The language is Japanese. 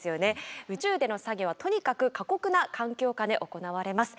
宇宙での作業はとにかく過酷な環境下で行われます。